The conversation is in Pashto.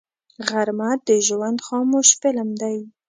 غرمه د ژوند خاموش فلم دی